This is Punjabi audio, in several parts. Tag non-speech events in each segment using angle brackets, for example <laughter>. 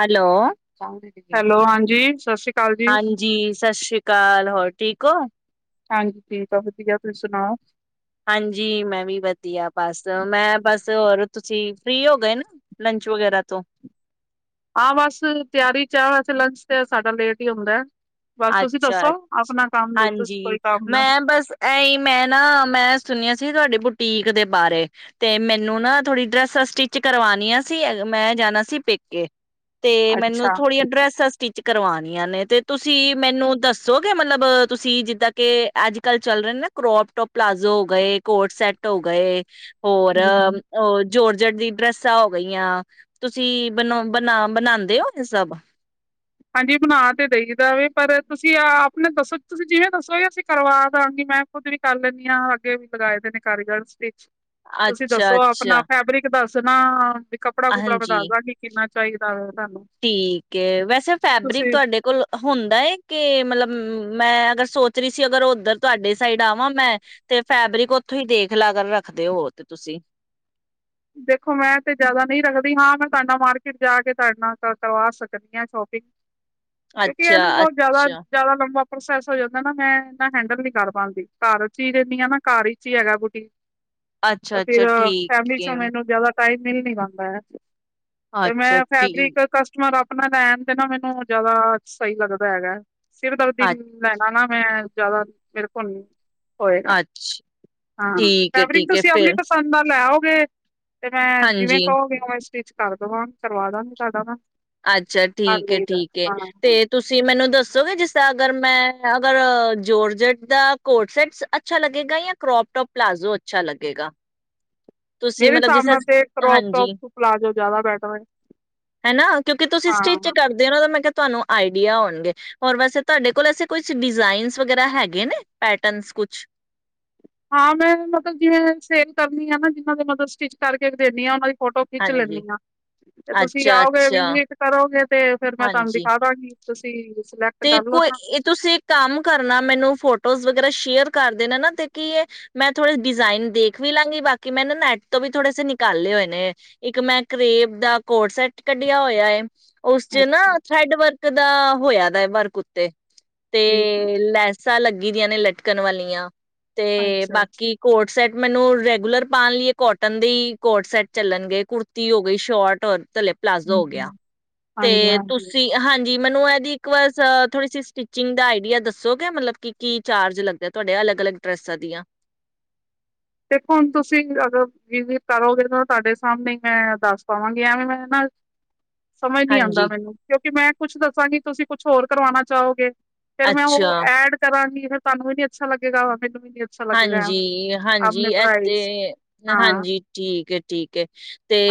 ਹੈਲੋ। ਹੈਲੋ ਹਾਂਜੀ ਸਤਿ ਸ਼੍ਰੀ ਅਕਾਲ ਜੀ ਹਾਂਜੀ ਸਤਿ ਸ੍ਰੀ ਅਕਾਲ ਹੋਰ ਠੀਕ ਹੋ। ਹਾਂਜੀ, ਠੀਕ ਆ ਵਧੀਆ ਤੁਸੀਂ ਸੁਣਾਓ। ਹਾਂਜੀ ਮੈਂ ਵੀ ਵਧੀਆ ਬਸ ਮੈਂ ਬਸ ਹੋਰ ਤੁਸੀਂ ਫਰੀ ਹੋ ਗਏ ਨਾ ਲੰਚ ਵਗੈਰਾ ਤੋਂ ਹਾਂ, ਬਸ ਤਿਆਰੀ ਚ ਆ ਵੈਸੇ ਲੰਚ ਤੇ ਸਾਡਾ ਲੇਟ ਹੀ ਹੁੰਦਾ। ਬਸ ਤੁਸੀਂ ਅੱਛਾ ਦੱਸੋ ਆਪਣਾ ਕੰਮ ਦੱਸੋ ਹਾਂਜੀ ਕੋਈ ਕੰਮ ਨਾ ਮੈਂ ਬਸ ਇਹੀ ਮੈਂ ਨਾ ਮੈਂ ਸੁਣਿਆ ਸੀ ਤੁਹਾਡੇ ਪੁ ਪੀਕ ਦੇ ਬਾਰੇ ਤੇ ਮੈਨੂੰ ਨਾ ਥੋੜ੍ਹੀ ਡਰੈਸਾਂ ਸਟਿਚ ਕਰਵਾਣੀਆਂ ਸੀ ਮੈਂ ਜਾਣਾ ਸੀ ਪੇਕੇ। ਤੇ ਮੈਨੂੰ ਅੱਛਾ ਥੋੜੀਆਂ ਡਰੈਸਾਂ ਸਟਿਚ ਕਰਵਾਣੀਆਂ ਨੇ ਤੇ ਤੁਸੀਂ ਤੁਸੀਂ ਮੈਨੂੰ ਦੱਸੋਗੇ ਮਤਲਬ ਤੁਸੀਂ ਜਿੱਦਾਂ ਕਿ ਅੱਜ ਕੱਲ ਚੱਲ ਰਹੇ ਨਾ ਕਰੋਪ ਟੋਪ, ਪਲਾਜ਼ੋ ਹੋ ਗਏ ਕੋਡ ਸੈੱਟ ਹੋ ਗਏ। ਹੋਰ ਹਮ ਉਹ ਜੋਰਜਟ ਦੀ ਡਰੈਸਾਂ ਹੋ ਗਈਆਂ ਤੁਸੀਂ ਬ ਬਣਾ ਬਣਾਂਦੇ ਹੋ ਇਹ ਸਭ ਹਾਂਜੀ ਬਣਾ ਤੇ ਦਈ ਦਾ ਵੇ ਪਰ ਤੁਸੀਂ ਆਪਣੇ ਦੱਸੋ ਤੁਸੀਂ ਜਿਵੇਂ ਦੱਸੋਗੇ ਅਸੀਂ ਕਰਵਾਦਾਂਗੇ ਮੈਂ ਖੁਦ ਵੀ ਕਰ ਲੈਂਦੀ ਹਾਂ ਅੱਗੇ ਵੀ ਲਗਾਏ ਦੇ ਨੇ ਕਾਰੀਗਰ ਤੁਸੀਂ ਅੱਛਾ ਦੱਸੋ ਆਪਣਾ ਅੱਛਾ ਫੈਬਰਿਕ ਦੱਸ ਦੋ ਚਨਾ ਤੇ ਕੱਪੜਾ ਕੁੱਪੜਾ ਮੈਂ ਹਾਂਜੀ ਦਸ ਦਾ ਗੀ, ਕਿੰਨਾਂ ਚਾਹੀਦਾ ਵੇ ਠੀਕ ਹੈ, ਵੈਸੇ ਫੈਬਰਿਕ ਤੁਸੀਂ ਤੁਹਾਡੇ ਕੋਲ ਹੁੰਦਾ ਹੈ। ਕਿ ਮਤਲਬ ਮੈਂ ਅਗਰ ਸੋਚ ਰਹੀ ਸੀ, ਅਗਰ ਓਧਰ ਤੁਹਾਡੇ ਸਾਈਡ ਆਵਾਂ ਮੈਂ ਤੇ ਫੈਬਰਿਕ ਉੱਥੋਂ ਹੀ ਦੇਖ ਲਾ ਕਰ ਰੱਖਦੇ ਹੋ ਤੇ ਤੁਸੀਂ ਦੇਖੋ ਮੈਂ ਤੇ ਜਿਆਦਾ ਨਹੀਂ ਰੱਖਦੀ ਹਾਂ। ਮੈਂ ਤੁਹਾਡੇ ਨਾਲ ਮਾਰਕੀਟ ਜਾ ਕੇ ਤੁਹਾਡੇ ਨਾਲ ਕਰਵਾ ਸਕਦੀ ਹਾਂ ਸ਼ੋਪਿੰਗ ਕਿਉਂਕਿ ਅੱਛਾ ਇਹਨੂੰ ਬਹੁਤ ਜਿਆਦਾ ਅੱਛਾ ਜਿਆਦਾ ਲੰਬਾ ਪ੍ਰੋਸੈਸ ਹੋ ਜਾਂਦਾ ਨਾ, ਮੈਂ ਇਹਨਾ ਹੈਂਡਲ ਨਹੀ ਕਰ ਪਾਉਂਦੀ ਘਰ ਚ ਹੀ ਦਿੰਦੀ ਆ ਨਾ ਘਰ ਵਿਚ ਹੀ ਹੈਗਾ ਬੁਟੀਕ ਤੇ ਅੱਛਾ-ਅੱਛਾ ਫੇਰ ਠੀਕ ਫੈਮਲੀ ਚ ਏ, ਤੇ ਮੈਨੂੰ ਜ਼ਿਆਦਾ ਟਾਇਮ ਮਿਲ ਨਹੀਂ ਪਾਂਦਾ ਹੈ। ਤੇ ਮੈਂ ਅੱਛਾ ਠੀਕ ਫੈਬਰਿਕ ਕਸਟਮਰ ਆਪੇ ਆਪਣਾ ਲੈਣ ਤੇ ਨਾ ਮੈਨੂੰ ਜਿਆਦਾ ਸਹੀ ਲੱਗਦਾ ਹੈਗਾ ਸਿਰਦਰਦੀ ਅ ਲੈਣਾ ਨਾ ਮੈਂ ਜਿਆਦਾ ਫਿਰ ਘੁੰਮਦੀ ਹੋਏਗਾ ਅੱਛ ਹਾਂ। ਠੀਕ ਫੈਬਰਿਕ ਏ-ਠੀਕ ਏ ਤੁਸੀਂ ਆਪਣੀ ਫੇਰ ਪਸੰਦ ਦਾ ਲੈਓ ਫਿਰ ਤੇ ਮੈਂ ਜੀਵੇਂ ਹਾਂਜੀ, ਕਹੋਗੇ ਓਵੇਂ ਸਟਿੱਚ ਕਰ ਦਵਾਂ ਕਰਵਾ ਦਾਂਗਗੀ ਤੁਹਾਡਾ ਮੈਂ ਅੱਛਾ ਠੀਕ ਏ, ਠੀਕ ਏ, ਤੇ ਹਾਂ ਤੁਸੀਂ ਮੈਨੂੰ ਦੱਸੋਗੇ ਜਿਸ ਤਾਂ ਅਗਰ ਮੈਂ ਅਗਰ ਜੋਰਜਟ ਦਾ ਕੋਟ ਸੈਟ ਅੱਛਾ ਲੱਗੇਗਾ ਜਾਂ ਕਰੋਪ ਟੋਪ ਪਲਾਜ਼ੋ ਅੱਛਾ ਲੱਗੇਗਾ ਤੁਸੀਂ ਮੇਰੇ ਮਤਲਬ ਜਿਸ ਹਿਸਾਬ ਨਾਲ ਤੇ ਤਰ੍ਹਾਂ ਕਰੋਪ ਹਾਂਜੀ। ਟੋਪ ਪਲਾਜ਼ੋ ਜ਼ਿਆਦਾ ਬੈਟਰ ਕਿਉਂਕ ਤੁਸੀਂ ਸਟਿਚ ਹਾਂ ਕਰਦੇ ਹੋ ਨਾਂ ਮੈਂ ਕਿਹਾ ਤੁਹਾਨੂੰ ਆਈਡੀਆ ਹੋਣਗੇ, ਹੋਰ ਵੈਸੇ ਤੁਹਾਡੇ ਕੋਲ ਐੇ ਕੁਛ ਡਿਜ਼ਾਇਨਜ ਵਗੈਰਾ ਹੈਗੇ ਨੇ ਪੈਟਰਨਜ ਕੁਛ ਹਾਂ। ਮੈਂ ਮਤਲਬ ਜਿਵੇਂ ਸੇਲ ਕਰਦੀ ਆ ਨਾ ਜਿਹਨਾਂ ਦੇ ਮਤਲਬ ਸਟਿਚ ਕਰਕੇ ਦੇਿੰਦੀ ਹਾਂ ਉਹਨਾਂ ਦੀ ਫੋਟੋ ਖਿੱਚ ਲੈਂਦੀ ਹਾਂਜੀ, ਹਾਂ ਤੇ ਤੁਸੀਂ ਆਓਗੇ ਅੱਛਾ-ਅੱਛਾ, ਵਿਜਿਟ ਕਰੋਗੇ ਤੇ ਫੇਿਰ ਮੈਂ ਤੁਹਾਨੂੰ ਹਾਂਜੀ। ਦਿਖਾਦਾਂਗੀ ਤੁਸੀਂ ਸਿਲੈਕਟ ਤੇ, ਕਰ ਕੋਈ ਲੈਣਾ ਇਹ ਤੁਸੀਂ ਕੰਮ ਕਰਨਾ ਮੈਨੂੰ ਫੋਟੋਜ਼ ਵਿ ਜ਼ਰਾ ਸ਼ੇਅਰ ਕਰਦੇ ਨੇ ਨਾ ਤੇ ਕੀ ਮੈਂ ਥੋੜੇ ਡਿਜਾਇਨ ਦੇਖ ਵੀ ਲਾਂਗੀ ਬਾਕੀ ਮੈਂ ਨਾ ਨੈਟ ਤੋਂ ਵੀ ਥੋੜੇ ਸੇ ਨਿਕਾਲੇ ਹੋਏ ਨੇ ਇੱਕ ਮੈਂ ਕਰੇਬ ਦਾ ਕੋਡ ਸੈਟ ਕੱਢਿਆ ਹੋਇਆ ਹੈ। ਉਸ ਚ ਨਾ ਅੱਛਾ ਥਰੈਡ ਵਰਕ ਦਾ ਹੋਇਆ ਦੇ ਵਰਕ ਉੱਤੇ ਠੀਕ ਹੈ ਤੇ' ਜੀ ਲੈਸਾਂ ਲੱਗੀ ਦੀਆਂ ਨੇ ਲਟ ਲਟਕਣ ਵਾਲੀਆਂ ਤੇ ਅੱਛਾ ਅੱਛਾ ਬਾਕੀ ਕੋਟ ਸੈਟ ਮੈਨੂੰ ਰੈਂਗੂਲਰ ਪਾਉਣ ਲਈਏ ਕੋਟਨ ਦੇ ਕੋਟ ਸੈਟ ਚੱਲਣਗੇ, ਕੁੜਤੀ ਹੋ ਗਈ ਸ਼ੋਰਟ ਰ ਥਲੇ ਪਲਾਜ਼ੋ ਹਮ ਹੋ ਗਿਆ, ਹਮ ਹਾਂਜੀ ਤੇ ਹਾਂਜੀ ਤੁਸੀਂ ਹਾਂਜੀ ਜੀ ਮੈਨੂੰ ਇਹਦੀ ਥੋੜ੍ਹੀ ਸਟਿਚਿੰਗ ਦਾ ਆਈਡੀਆ ਦੱਸੋਗੇ ਮਤਲਬ ਕਿ ਕੀ ਚਾਰਜ ਲੱਗਦਾ ਤੁਹਾਡੇ ਅਲੱਗ-ਅਲੱਗ ਡ੍ਰੈਸਾਂ ਦੀਆਂ ਦੇਖੋ ਹੁਣ ਤੁਸੀਂ ਅਗਰ ਜਿਵੇ ਕਰੋਗੇ ਤਾਂ ਤੁਹਾਡੇ ਸਾਹਮਣੇ ਮੈਂ ਦੱਸ ਪਾਵਾਂਗੀ, ਐਵੇਂ ਮੈਂ ਨਾ ਸਮਝ ਨੀ ਆਦਾ, ਹਾਂਜੀ ਮੈਨੂੰ ਕਿਉਂਕਿ ਮੈਂ ਕੁਛ ਦੱਸਾਂਗੀ ਤੁਸੀਂ ਕੁਛ ਹੋਰ ਕਰਵਾਣਾ ਚਾਹੋਗੇ ਫਿਰ ਮੈਂ ਅੱਛਾ ਉਹ ਐਡ ਕਰਾਂਗੀ ਫਿਰ ਤੁਹਾਨੂੰ ਵੀ ਨੀ ਅੱਛਾ ਲੱਗੇਗਾ ਵਾ ਹਾਂਜੀ, ਹਾਂਜੀ ਜੀ ਐ ਤੇ ਪ੍ਰਾਈਜ਼ ਹਾਂ ਹਾਂਜੀ ਠੀਕ ਹੈ, ਠੀਕ ਹੈ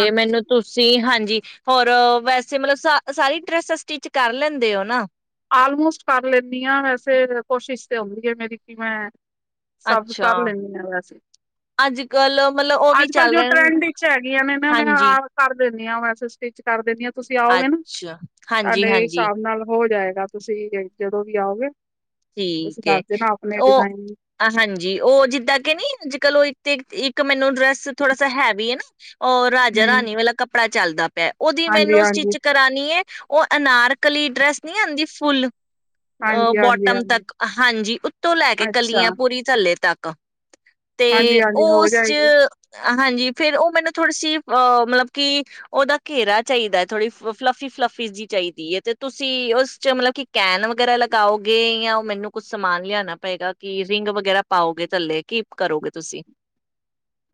ਹਾਂ ਮੈਨੂੰ ਤੁਸੀਂ ਹਾਂਜੀ, ਹੋਰ ਵੈਸੇ ਮਤਲਬ ਸਾਰੀ ਡਰੈਸਾਂ ਸਟਿਚ ਕਰ ਲੈਂਦੇ ਹੋ ਨਾ ਆਲਮੋਸਟ ਕਰ ਲੈਂਦੀ ਹਾਂ, ਵੈਸੇ ਕੋਸ਼ਿਸ਼ ਤੇ ਹੁੰਦੀ ਹੈ, ਮੇਰੀ ਕਿ ਮੈਂ ਸਭ ਅੱਛਾ ਕਰ ਲੈਂਣੀ ਹਾਂ, ਵੈਸੇ ਅੱਜ ਕੱਲ ਮਤਲਬ ਉਹ ਵੀ ਅੱਜ ਕੱਲ ਚੱਲ ਜੋ ਰਹੇ ਨੇ ਟਰੈਂਡ ਵਿੱਚ ਹੈਗੀਆਂ, ਨੇ ਨਾ ਮੈਂ ਹਾਂਜੀ ਆਪ ਕਰ ਦਿਨ ਵੈਸੇ ਸਟਿਚ ਕਰ ਦਿੰਨੀ ਹਾਂ ਤੁਸੀਂ ਆਓਗੇ ਨਾ ਅੱਛਾ ਹਾਂਜੀ ਤੁਹਾਡੇ ਹਾਂਜੀ ਹਿਸਾਬ ਨਾਲ ਹੋ ਜਾਏਗਾ ਤੁਸੀਂ ਜਦੋਂ ਵੀ ਆਓਗੇ ਤੁਸੀਂ ਠੀਕ, ਦੱਸ ਦੇਣਾ ਆਪਣੇ ਉਹ ਡਿਜ਼ਾਇਨ ਹਾਂਜੀ ਉਹ ਜਿੱਦਾਂ ਕਿ ਨੀ ਅੱਜ ਕੱਲ ਉਹ ਤੇ ਇੱਕ ਮੈਨੂੰ ਡਰੈਸ ਥੋੜਾ ਸਾ ਹੈਵੀ ਹੈ ਨਾ ਉਹ ਰਾਜਾ ਹੂੰ ਰਾਣੀ ਵਾਲਾ ਕੱਪੜਾ ਚੱਲਦਾ ਪਿਆ, ਉਹਦੀ ਹਾਂਜੀ ਮੈਨੂੰ ਹਾਂਜੀ ਸਟਿਚ ਕਰਾਣੀ ਏ ਉਹ ਅਨਾਰਕਲੀ ਡਰੈਂਸ ਨਹੀਂ ਆਦੀ ਫੁੱਲ ਅ ਹਾਂਜੀ ਬਟ ਹਾਂਜੀ ਉੱਤਮ ਹਾਂਜੀ ਤੱਕ ਹਾਂਜੀ ਉੱਤੋਂ ਲੈ ਕੇ ਅੱਛਾ ਕੱਲੀਆਂ ਪੂਰੀ ਥੱਲੇ ਤੱਕ <unintelligible> ਤੇ ਹਾਂਜੀ ਹਾਂਜੀ ਉਹ ਹੋ ਉਸ ਚ ਜਾਏਗੀ ਹਾਂਜੀ, ਫੇਰ ਉਹ ਮੈਨੂੰ ਥੋੜੀ ਸੀ, ਅਹ ਮਤਲਬ ਕਿ ਉਹਦਾ ਘੇਰਾ ਚਾਹੀਦਾ ਹੈ, ਥੋੜ੍ਹੀ ਫਲੱਫੀ-ਫਲੱਫੀ ਜਹੀ ਚਾਹੀਦੀ ਹੈ, ਤੇ ਤੁਸੀਂ ਉਸ ਚ ਮਤਲਬ ਕਿ ਕੈਨ ਵਗੈਰਾ ਲਗਾਓਗੇ ਅ ਉਹ ਮੈਨੂੰ ਕੁੱਛ ਸਮਾਨ ਲਿਆਣਾ ਪਏਗਾ ਕਿ ਰਿਗ ਬਗੈਰਾ ਪਾਊਗੇ ਥੱਲੇ, ਕੀ ਕਰੋਗੇ ਤੁਸੀ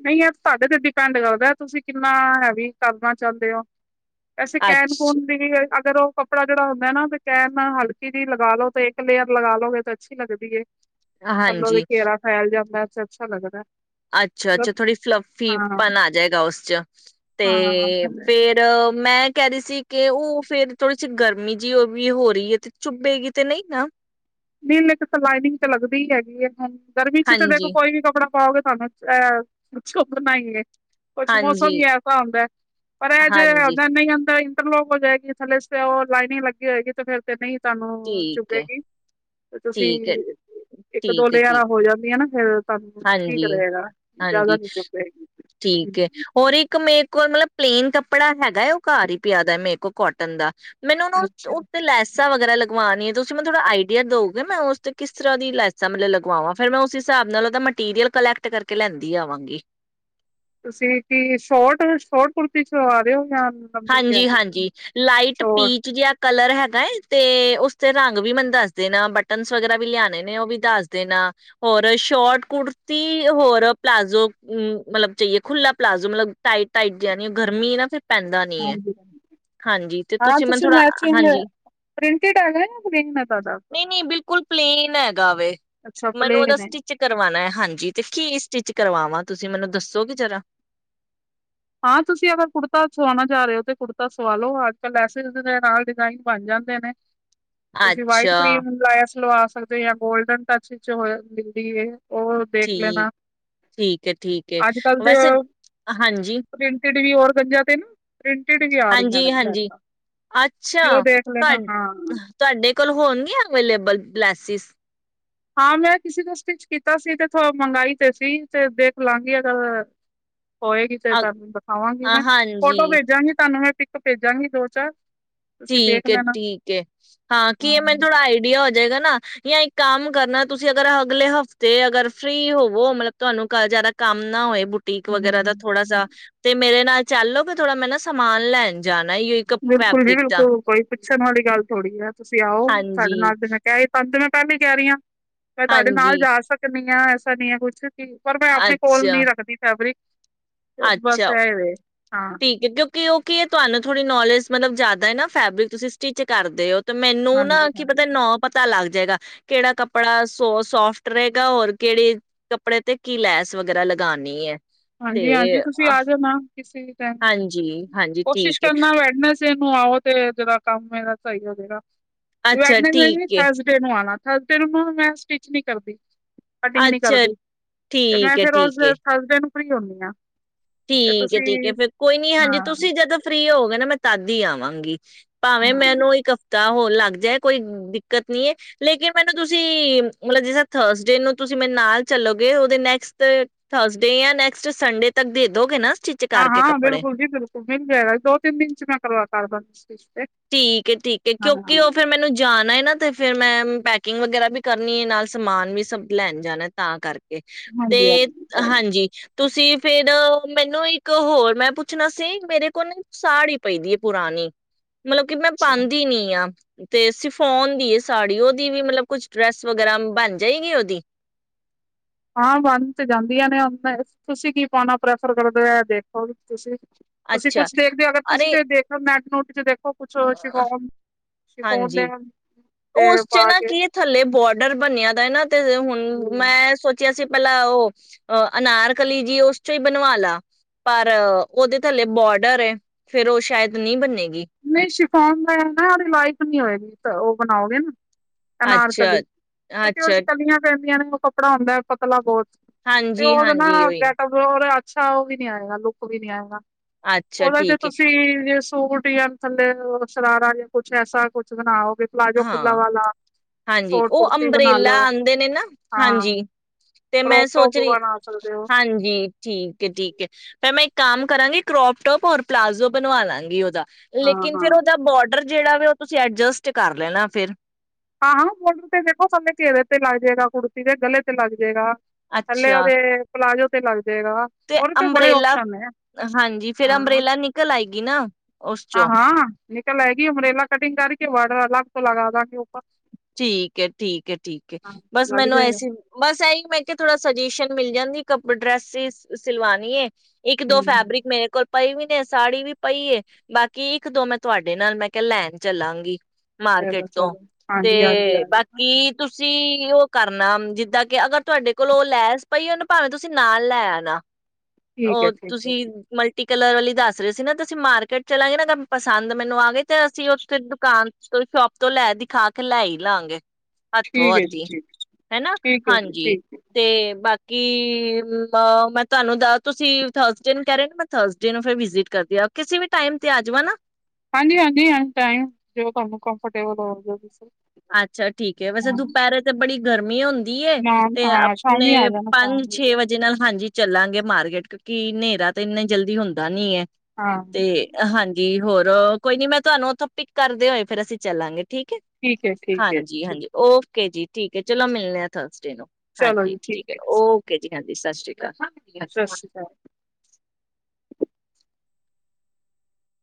ਨਹੀਂ ਯਾਰ ਤੁਹਾਡੇ ਤੇ ਡਿਪੈਂਡ ਕਰਦਾ ਤੁਸੀਂ ਕਿੰਨਾ ਹੈਵੀ ਕਰਨਾ ਚਾਹੁੰਦੇ ਹੋ ਅਸੀ ਕੈਣ ਅੱਛ ਕੂਣ ਦੀ ਫੇਰ ਉਹ ਕੱਪੜਾ ਜਿਹੜਾ ਹੁੰਦਾ ਨਾ ਕੇਨ ਹਲਕੀ ਦੀ ਲਗਾ ਲੋ, ਤੇ ਇੱਕ ਲੇਅਰ ਲਗਾ ਲਓਗੇ ਤੇ ਅੱਛੀ ਲੱਗਦੀ ਏ। ਥੱਲੋ ਦੀ ਹਾਂਜੀ ਘੇਰਾ ਫੈਲ ਜਾਂਦਾ। ਅੱਛਾ ਲੱਗਦਾ ਹੈ। ਅੱਛਾ, ਅੱਛਾ ਥੋੜ੍ਹੀ ਫਲੱਫੀਪਨ ਆ ਜਾਏਗਾ ਉਸ ਚ ਤੇ ਹਾਂ ਥੱਲੇ ਫੇਰ ਮੈਂ ਕਹਿ ਰਹੀ ਸੀ, ਕਿ ਉਹ ਫੇਰ ਥੋੜੀ ਜਿਹੀ ਗਰਮੀ ਜਿਹੀ ਉਹ ਵੀ ਹੋ ਰਹੀ ਹੈ ਤੇ ਚੁੱਭੇਗੀ ਤੇ ਨਹੀਂ ਨਾ? ਨਹੀਂਨ, ਇੱਕ ਲਾਈਨਿੰਗ ਚ ਲੱਗਦੀ ਹੀ ਹੈਗੀ ਹੈ। ਹ ਗਰਮੀ ਚ ਤੇ ਦੇਖੋ ਹਾਂਜੀ ਕੋਈ ਵੀ ਕੱਪੜਾ ਪਾਓਗੇ ਤੁਾਨੂੰ ਅਹ ਕੁ <unintelligible> ਨਹੀਂ ਕੁਛ ਮੌਸਮ ਹਾਂਜੀ ਹੀ ਐਸਾ ਹੁੰਦਾ ਪਰ ਇਹ ਜੇ ਹਾਂਜੀ ਹਦਾ ਨਹੀਂ ਆਉਂਦਾ ਬਲੋਕ ਹੋ ਜਾਏਗੀ ਥਲੇ ਤੇ ਉਹ ਲਾਈਨ ਲੱਗੀ ਹੋਏਗੀ, ਤੇ ਫਿਰ ਤੇ ਨਹੀਂ ਤੁਹਾਨੂੰ ਠੀਕ ਹੈ, ਚੁੱਭਿਆਗੀ ਤੁਸੀਂ ਠੀਕ ਹੈ, ਇੱਕ ਦੋ ਠੀਕ ਹੈ, ਲੇ ਆਰਾ ਠੀਕ ਹੋ ਜਾਂਦੀਆਂ ਨਾ ਹਾਂ ਹਾਂਜੀ, ਹਾਂਜੀ, ਚੁੱਭੇਗੀ। ਠੀਕ ਹੈ। ਹਮ, ਹੋਰ ਇੱਕ ਮੇ ਕੋਈ ਮਤਲਬ ਪਲੇਨ ਕੱਪੜਾ ਹੈਗਾਏ, ਉਹ ਘਰ ਹੀ ਪਿਆ ਦਾ ਮੇਰੇ ਕੋਲ ਕੋਟਨ ਦਾ ਮੈਨੂੰ ਉਹ ਅੱਛਾ ਉਤੇ ਲੈਸਾ ਵਗੈਰਾ ਲ ਲਗਵਾਨੀ ਹੈ। ਤੁਸੀਂ ਮੈਨੂੰ ਥੋੜਾ ਆਈਡੀਆ ਦਓਗੇ, ਮੈਂ ਉਸ ਤੇ ਕਿਸ ਤਰ੍ਹਾਂ ਦੀ ਲੈਸਾਂ ਮਤਲਬ ਲਗਵਾ ਫਿਰ ਮੈਂ ਉਸ ਹਿਸਾਬ ਨਾਲ ਉਹਦਾ ਮਟੀਰੀਅਲ ਕਲੈਕਟ ਕਰਕੇ ਲੈਂਦੀ ਆਵਾਂਗੀ ਤੁਸੀਂ ਕੀ ਸ਼ੋਰਟ ਸ਼ੋਰਟ ਕੁੁਰਤੀ ਸੋ ਆ ਰਹੇ ਹੋ ਜਾਂ ਲੰਬੀ ਕਹਿ ਹਾਂਜੀ ਰਹੇ ਸੀ। ਹਾਂਜੀ ਲਾਈਟ ਸ਼ੋਰਟ ਪੀਚ ਜਿਹਾ ਕਲਰ ਹੈਗਾ ਹੈ। ਤੇ ਉਸਤੇ ਰੰਗ ਵੀ ਮੈਨੂੰ ਦੱਸ ਦੇ ਨਾ ਬਟਨ ਵਗੈਰਾ ਵੀ ਲਿਆਣੇ ਨੇ ਉਹ ਵੀ ਦੱਸ ਦੇਣਾ ਹੋਰ ਸ਼ੋਟ ਕੁੜਤੀ ਹੋਰ ਪਲਾਜੋ ਮਤਲਬ ਚਾਹੀਏ ਖੁੱਲਾ ਪਲਾਜੋ ਮਤਲਬ ਟਾਈਟ ਟਾਈਟ ਜਣੀ ਗਰਮੀ ਨਾ ਫਿਰ ਪੈਂ ਹਾਂਜੀ ਹਾਂਜੀ। ਹਾਂਜੀ, ਤੇ ਹਾਂ ਤੁਸੀਂ ਮੈਨੂੰ ਥੋੜਾ ਮੈਚਿੰਗ ਹਾਂਜੀ ਪ੍ਰਿੰਟਡ ਹੈਗਾ ਜਾਂ ਪਲੇਨ ਹੈ ਤੁਹਾਡਾ ਨਹੀਂ, ਨਹੀਂ ਬਿਲਕੁਲ ਪਲੇਨ ਹੈਗਾ ਅੱਛਾ ਮੈਨੂੰ ਉਹਦਾ ਪਲੇਨ ਹੈ। ਸਟਿਚ ਕਰਵਾਉਣਾ ਹਾਂਜੀ ਤੇ ਕੀ ਸਟਿਚ ਕਰਵਾਵਾਂ ਤੁਸੀਂ ਮੈਨੂੰ ਦੱਸੋਗੇ ਜ਼ਰਾ ਹਾਂ। ਤੁਸੀਂ ਅਗਰ ਕੁੜਤਾ ਸਆਉਣਾ ਚਾਹ ਰਹੇ ਹੋ ਤਾਂ ਕੁੜਤਾ ਸਵਾ ਲਓ ਅੱਜ ਕੱਲ੍ਹ ਐਸੇੇ ਦੇ ਨਾਲ ਡਿਜ਼ਾਇਨ ਬਣ ਜਾਂਦੇ ਨੇ ਤੁਸੀਂ ਵਾਈਟ ਅੱਛਾ ਕਰੀਮ ਲਾਇਆ ਸੀ ਲੋ ਆ ਸਕਦੇ ਜਾਂ ਗੋਲਡਨ ਟੱਚ ਵਿੱਚ ਹੋ ਮਿਲਦੀ ਹੈ ਠੀਕ, ਠੀਕ, ਠੀਕ ਅੱਜ-ਕੱਲ ਤੇ ਵੈਸੇ ਹਾਂਜੀ <inaudible> ਪ੍ਰਿੰਟਡ ਵੀ ਹੋਰ ਉਰਗੰਜਾ ਤੇ ਨਾ ਪ੍ਰਿੰਟਡ ਵੀ ਆ ਰਹੀਆਂ ਹਾਂਜੀ, ਨੇ ਹਾਂਜੀ ਲੈਸਾਂ ਅੱਛਾ ਤੁਸੀਂ ਉਹ ਦੇਖ ਤੁਹਾ ਲੈਣਾ ਹਾਂ। ਤੁਹਾਡੇ ਕੋਲ ਹੋਣਗੀਆਂ ਅਵੇਲੇਬਲ ਗਲਾਸਿਸ ਹਾਂ, ਮੈਂ ਕਿਸੇ ਦਾ ਸਟਿਚ ਕੀਤਾ ਸੀ ਤੇ ਮਹਿੰਗਾਈ ਤੇ ਸੀ ਤੇ ਦੇਖ ਲਾਂਗੀ ਅਗ ਹੋਏਗੀ ਤੇ ਤੁਹਾਨੂੰ ਦਿਖਾਵਾਂਗੀ ਮੈਂ ਫੋਟੋ ਹਾਂਜੀ ਭੇਜਾਂਗੀ ਤੁਹਾਨੂੰ ਮੈਂ ਇੱਕ ਭੇਜਾਂਗੀ ਦੋ ਚਾਰ ਤੁਸੀਂ ਦੇਖ ਠੀਕ ਹੈ, ਲੈਣਾ ਠੀਕ ਹੈ, ਏ ਹਾਂ ਕੀ ਇਹ ਮੈਨੂੰ ਥੋੜਾ ਆਈਡੀਆ ਹੋ ਜਾਏਗਾ ਨਾ ਜਾਂ ਇੱਕ ਕੰਮ ਕਰਨਾ ਤੁਸੀਂ ਅਗਰ ਅਗਲੇ ਹਫ਼ਤੇ ਅਗਰ ਫ੍ਰਰੀ ਹੋਵੋ ਮਤਲਬ ਤੁਹਾਨੂੰ ਜਿਆਦਾ ਕੰਮ ਨਾ ਹੋਏ ਬੁਟੀਕ ਵਗੈਰਾ ਦਾ ਥੋੜਾ ਹੂੰ। ਤੇ ਮੇਰੇ ਨਾ ਚੱਲੋਗੇ ਥੋੜਾ ਮੈਂ ਨਾ ਸਮਾਨ ਲੈਣ ਜਾਣ <unintelligible> ਕੱਪੜਾ, ਬਿਲਕੁਲ ਬਿਲਕੁਲ ਕੋਈ ਪੁੱਛਣ ਵਾਲੀ ਗੱਲ ਥੋੜ੍ਹੀ ਹੈ। ਤੁਸੀਂ ਆਓ ਤੁਹਾਡੇ ਹਾਂਜੀ ਨਾਲ ਤੇ ਮੈਂ ਕਿਹਾ ਪੰਜ ਮ ਪਹਿਲੇ ਕਹਿ ਰਹੀ ਹਾਂ। ਮੈਂ ਤੁਹਾਡੇ ਨਾਲ ਹਾਂਜੀ ਜਾ ਸਕ ਹ ਐਸਾ ਨਹੀਂ ਹੈ ਕੁਛ, ਪਰ ਮੈਂ ਆਪਣੇ ਕੋਲ ਅੱਛਾ ਨੀ ਰੱਖਦੀ ਫੈਬਰਿਕ ਚ ਬਸ ਅੱਛਾ ਐ ਵੇ, ਹਾਂ ਠੀਕ ਕਿਉਂਕਿ ਉਹ ਕੀ ਤੁਹਾਨੂੰ ਥੋੜੀ ਨੌਲੇਜ ਮਤਲਬ ਜਿਆਦਾ ਨਾ ਫੈਬਰਿਕ ਤੁਸੀਂ ਸਟਿਚ ਕਰਦੇ ਹੋ, ਤੇ ਮੈਨੂੰ ਨਾ ਹਾਂਜੀ ਕੀ ਹਾਂ ਪਤਾ ਨੌ ਪਤਾ ਲੱਗਦਾ। ਗਾ ਕਿਹੜਾ ਕੱਪੜਾ ਸੋ ਸੋਫਟ ਰਹੇਗਾ, ਔਰ ਕਿਹੜੇ ਕੱਪੜੇ ਤੇ ਕੀ ਲੈਸ ਵਗੈਰਾ ਲਗਾਣੀ ਐ। ਹਾਂਜੀ-ਹਾਂਜੀ ਤੁਸੀਂ ਆ ਜਾਣਾ। ਕਿਸੀ ਤਰ੍ਹਾਂ ਹਾਂਜੀ ਹਾਂਜੀ ਕੋਸ਼ਿਸ਼ ਠੀਕ ਹੈ ਕਰਨਾ ਬੈਠਣਾ, ਕਿਸੇ ਨੂੰ ਆਓ ਤੇ ਜਿਹੜਾ ਕੰਮ ਇਹਦਾ ਸਹੀ ਹੋਜੇਗਾ। ਅੱਛਾ ਵੈਡਨਸਡੇ ਨੀ ਠੀਕ ਹੈ ਥਰਸਡੇ ਨੂੰ ਆਣਾ, ਥਰਸਡੈ ਤੇਰੇ ਨੂੰ ਹੁਣ ਮੈਂ ਸਟਿਚ ਨੀ ਕਰਦੀ। ਕਟਿੰਗ ਨਹੀ ਅੱਛਾ ਕਰਦੀ ਤੇ ਮੈਂ ਠੀਕ ਹੈ ਫੇਰ ਉਸ ਠੀਕ ਹੈ ਥਰਸਡੇ ਨੂੰ ਫਰੀ ਹੁਨੀ ਆਂ। ਠੀਕ ਏ ਠੀਕ ਹੈ, ਫੇਰ ਕੋਈ ਨੀ ਹਾਂਜੀ ਹਾਂ ਤੁਸੀਂ ਜਦੋਂ ਫ੍ਰਰੀ ਹੋ ਕਹ ਮੈਂ ਤਦ ਹੀ ਆਵਾਂਗੀ। ਭਾਵੇਂ ਹਾਂ ਮੈਨੂੰ ਇੱਕ ਹਫ਼ਤਾ ਹੋਰ ਲੱ ਕੋਈ ਦਿੱਕਤ ਨੀ ਲੇਕਿਨ ਮੈਨੂੰ ਤੁਸੀਂ ਮਤਲਬ ਜਿਸ ਥਰਸਡੇ ਨੂੰ ਤੁਸੀਂ ਮੇਰੇ ਨਾਲ ਚੱਲੋਗੇ ਉਹਦੇ ਨੈਕਸਟ ਥਰਸਡੇ ਨੈਕਸਟ ਸੰਡੇ ਤੱਕ ਦੇ ਦੋਗੇ ਨਾ, ਸਟਿਚ ਕਰਕੇ ਹਾਂ-ਹਾਂ, ਕੱਪੜੇ। ਬਿਲਕੁਲ ਜੀ ਬਿਲਕੁਲ ਮਿਲ ਜਾਏਗਾ, ਦੋ ਤਿੰਨ ਦਿਨ ਚ ਮੈਂ ਕਰਵਾਦਾਗੀ ਬੰ ਠੀਕ-ਠੀਕ, ਕਿਉਂਕਿ ਉਹ ਫੇਰ ਮੈਨੂੰ ਜਾਣਾ ਨਾ ਤੇ ਫੇਰ ਮੈਂ ਪੈਕਿੰਗ ਵਗੈਰਾ ਵੀ ਕਰਨੀ ਹੈ ਨਾਲ ਸਮਾਨ ਵੀ ਸਭ ਲੈਣ ਜਾਣਾ ਤਾਂ ਕਰਕੇ, ਹਾਂਜੀ, ਤੇ ਹਾਂਜੀ, ਚਲੋ ਹਾਂਜੀ ਤੁਸੀਂ, ਫੇਰ, ਮੈਨੂੰ ਇੱਕ ਹੋਰ ਮੈਂ ਪੁੱਛਣਾ ਸੀ, ਮੇਰੇ ਕੋਲ ਸਾੜੀ ਪਈਦੀ ਹੈ, ਪੁਰਾਣੀ। ਮਤਲਬ ਕਿ ਮੈਂ ਅੱਛਾ। ਪਾਦੀ ਨੀ ਆਂ। ਤੇ ਸਿਫੋਨ ਦੀ ਏ ਸਾੜੀ, ਉਹਦੀ ਵੀ ਮਤਲਬ ਕੁਛ ਡਰੈਸ ਵਗੈਰਾ ਬਣ ਜਾਏਗੀ, ਉਹਦੀ? ਹਾਂ, ਬੰਦ ਤੇ ਜਾਂਦੀਆਂ ਨੇ, ਤੁਸੀਂ ਕੀ ਪਾਉਣਾ ਪ੍ਰੈਫਰ ਕਰਦੇ ਹੋ? ਦੇਖੋ ਤੁਸੀਂ ਤੁਸੀਂ ਅੱਛਾ ਕੁਛ ਦੇਖਦੇ ਅਗਰ ਤੁਸੀਂ ਅਰੇ ਤੇ ਦੇਖਲੋ <inaudible> ਦੇ ਹਾਂਜੀ, ਤੇ ਉਸ ਚ ਪਾ ਨਾ ਕੇ ਕੀ ਥੱਲੇ ਬੋਡਰ ਬਣਿਆ ਦਾ ਐ ਨਾ ਤੇ ਹੁਣ ਹੂੰ। ਮੈਂ ਸੋਚਿਆ ਸੀ। ਪਹਿਲ ਉਹ ਅਨਾਰ ਕਲੀ ਜੀ ਉਸ ਚੋਂ ਹੀ ਬਣਵਾ ਲਾ, ਪਰ ਉਹਦੇ ਥੱਲੇ ਬੋਡਰ ਫੇਰ ਉਹ ਸ਼ਾਇਦ ਨਹੀਂ ਬਨੇਗੀ। ਨਹੀਂ ਸ਼ਿਫੋਨ ਦਾ ਲਾਇਕ ਨੀ ਹੋਏਗੀ, ਤਾਂ ਉਹ ਬਣਾਓਗੇ ਨਾ ਅਨਾਰਕਲੀ, ਅੱਛਾ ਕਿਉਂਕਿ ਉਦੇ ਅੱਛਾ ਚ ਕਲੀਆਂ ਪੈਂਦੀਆਂ ਨੇ ਕੱਪੜਾ ਹੁੰਦਾ ਹੈ, ਪਤਲਾ ਬਹੁਤ ਤੇ ਹਾਂਜੀ ਉਹਦਾ ਨਾ ਹਾਂਜੀ ਉਹੀ ਗੈਟਪ ਹੋਰ ਐ ਅਛਾ ਉਹ ਵੀ ਨੀ ਆਏਗਾ, ਲੁੱਕ ਵੀ ਨੀ ਆਏਗਾ। ਅੱਛਾ ਉਹਦਾ ਚ ਠੀਕ ਹੈ ਤੁਸੀਂ ਜੇਸਟ <inaudible> ਜਾ ਥੱਲੇ ਓ ਸ਼ਰਾਰਾ ਜਾਂ ਕੁੱਛ ਐਸਾ ਕੁਛ ਬਣਾਓ। ਪਲਾਜੋ ਖੁੱਲਾ ਹਾਂ ਵਾਲਾ ਹਾਂਜੀ, ਸ਼ੋਰਟ ਉਹ ਕੁੜਤੀ ਬਣਾ ਅੰਬਰੇਲਾ ਲੋ ਆਂਦੇ ਨੇ ਨਾ ਹਾਂ ਹਾਂਜੀ ਤੇ ਮੈਂ ਕਰੋਪ ਟੋਪ ਸੋਚ ਰਹੀ, ਬਣਾ ਸਕਦੇ ਹੋ ਹਾਂਜੀ ਠੀਕ ਹੈ ਠੀਕ ਹੈ ਮੈਂ ਇੱਕ ਕੰਮ ਕਰਾਂਗੀ, ਕਰੋਪਟੋਪ ਔਰ ਪਲਾਜ਼ੋ ਬਣਵਾ ਲਾਂਗੀ ਉਹਦਾ ਹਾਂ ਲੇਕਿਨ ਹਾਂ ਫੇਰ ਉਹਦਾ ਬੋਡਰ ਜਿਹੜਾ ਵੀ ਉਹ ਤੁਸੀਂ ਐਰਜਸਟ ਕਰ ਲੈਣਾ ਫੇਰ ਹਾਂ-ਹਾਂ ਬੋਰਡਰ ਤੇ ਦੇਖੋ, ਸਡੇ ਘੇਰੇ ਤੇ ਲੱਗ ਜੇਗਾ ਕੁੜਤੀ ਦੇ ਗਲੇ ਤੇ ਲੱਗ ਜੇਗਾ। ਥਲੇ ਅੱਛਾ ਉਹਦੇ ਪਲਾਜੋ ਤੇ ਲਾ ਓਦੇ ਤੇ ਬੜੇ ਓਪਸ਼ਨ ਨੇ ਹਾਂਜੀ ਫਿਰ ਅੰਬਰੇਲਾ ਨਿਕਲ ਆਏਗੀ ਨਾ ਉਸ ਚੋਂ ਹਾਂ-ਹਾਂ-ਹਾਂ ਨਿਕਲ ਆਏਗੀ, ਅੰਬਰੇਲਾ ਕਟਿੰਗ ਕਰਕੇ ਬਾਡਰ ਅਲੱਗ ਤੋਂ ਲੱਗਾ ਦਾਂਗੇ ਉੱਪਰ ਠੀਕ ਹੈ ਠੀਕ ਹੈ ਠੀਕ ਹੈ, ਹਾਂ ਬਸ ਲੱਗ ਮੈਨੂੰ ਜਾਏਗਾ ਐਸੀ ਬਸ ਇਹੀ ਮੈਂ ਕਿਹਾ ਥੋੜਾ ਸੁਜੈਸ਼ਨ ਮਿਲ ਜਾਂਦੀ। ਕਬ ਡਰੈਸ ਸਿਲਵਾਣੀ ਐ ਇੱਕ ਦੋ ਹੂੰ ਫੈਬਰਿਕ ਮੇਰੇ ਕੋਲ ਪਈ ਵੀ ਨੇ ਸਾੜੀ ਵੀ ਪਈ ਵੇ ਬਾਕੀ ਇੱਕ ਦੋ ਮੈਂ ਤੁਹਾਡੇ ਨਾਲ ਮੈਂ ਕਿਹਾ ਲੈਣ ਚੱਲਾਂਗੀ। ਮਾਰਕੀਟ ਚਲੋ-ਚਲੋ ਤੋਂ ਹਾਂਜੀ। ਤੇ ਹਾਂਜੀ ਹਾਂਜੀ ਬਾਕੀ ਤੁਸੀਂ ਤੁਸੀਂ ਉਹ ਕਰਨਾ ਜਿੱਦਾਂ ਕਿ ਅਗਰ ਤੁਹਾਡੇ ਕੋਲ ਉਹ ਲੈਸ ਪਈ ਐ ਭਾਵੇਂ ਤੁਸੀਂ ਨਾਲ ਲੈ ਆ ਨਾ ਠੀਕ ਉਹ ਹੈ ਠੀਕ ਹੈ ਤੁਸੀਂ ਮਲਟੀ ਕਲਰ ਵਾਲੀ ਦੱਸ ਰਹੇ ਸੀ ਨਾ ਤੇ ਅਸੀਂ ਮਾਰਕੀਟ ਚਲਾਂਗੇ, ਨਾ ਪਸੰਦ ਮੈਨੂੰ ਆ ਗਏ, ਤੇ ਅਸੀਂ ਉੱਥੇ ਦੁਕਾਨ ਤੋਂ ਸ਼ੋਪ ਤੋਂ ਲੈ ਦਿਖਾ। ਕਲਾਈ ਲਾਂਗੇ। ਠੀਕ ਹੈ ਜੀ ਹੱਥੋਂ-ਹੱਥੀ ਠੀਕ ਹਨਾ, ਠੀਕ ਹੈ ਜੀ ਹਾਂਜੀ ਠੀਕ ਹੈ ਤੇ ਬਾਕੀ ਕਿ ਮੈਂ ਤੁਹਾਨੂੰ ਤੁਸੀ ਥਾਸਡੇ ਨੂੰ ਕਹਿ ਰਹੇ ਮੈ ਥਾਸਡੇ ਨੂ ਫਿਰ ਵਿਸਿਟ ਕਰਦੀੇ ਹਾਂ ਕਿਸੀ ਵੀ ਟਾਇਮ ਤੇ ਆ ਜਾਵ ਨਾ। ਹਾਂਜੀ-ਹਾਂਜੀ, ਜੋ ਤੁਹਾਨੂੰ ਕਮਫਰਟੇਬਲ ਹੋ। ਅੱਛਾ, ਠੀਕ ਹੈ, ਵੈਸੇ ਦੁਪਹਿਰੇ ਤੇ ਬੜੀ ਗਰਮੀ ਹੁੰਦ ਦੀ ਹੈ ਨਾ ਤੇ ਹਾਂ ਸ਼ਾਮੀ ਆ ਆਪਣੇ ਜਾਣਾ ਸ਼ਾਮ ਪੰਜ-ਛੇ ਵੇਲੇ ਵਜੇ ਨਾਲ ਹਾਂਜੀ ਚੱਲਾਂਗੇ ਮਾਰਕੀਟ, ਕਿਉਂਕਿ ਹਨੇਰਾ ਤਾਂ ਇੰਨਾ ਜਲਦੀ ਹੁੰਦਾ ਨੀ ਹੈ। ਹਾਂ ਤੇ ਹਾਂਜੀ ਹੋਰ ਕੋਈ ਨੀ ਮੈਂ ਤੁਹਾਨੂੰ ਉੱਥੋਂ ਪਿੱਕ ਕਰਦੇ ਹੋਏ ਫੇਰ ਅਸੀਂ ਚੱਲਾਂਗੇ। ਠੀਕ ਹੈ। ਠੀਕ ਹੈ ਠੀਕ ਹੈ ਜੀ ਠੀਕ। ਹਾਂਜੀ-ਹਾਂਜੀ ਉਹ ਓਕੇ ਜੀ ਠੀਕ ਹੈ ਚਲੋ ਮਿਲਣੇ ਆ ਥ ਹਾਂਜੀ ਠੀਕ ਹੈ ਓਕੇ ਜੀ। ਕਹਂਦੀ ਸਤਿ ਸਤਿ ਸ਼੍ਰੀਕ ਸ਼੍ਰੀ ਅਕਾਲ <inaudible>